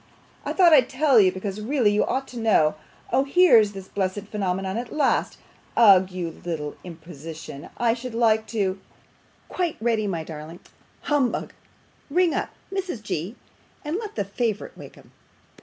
I thought I'd tell you, because really you ought to know. Oh! here's this blessed phenomenon at last. Ugh, you little imposition, I should like to quite ready, my darling, humbug Ring up, Mrs. G., and let the favourite wake 'em.